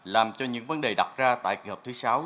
làm cho những vấn đề đặt ra tại kỳ họp thứ sáu